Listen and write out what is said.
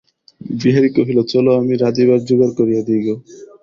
বিহারী কহিল, চলো, আমি রাঁধিবার জোগাড় করিয়া দিই গে।